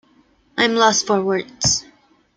I'm lost for words.